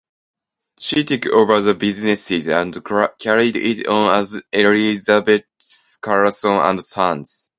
She took over the business and carried it on as "Elizabeth Caslon and sons".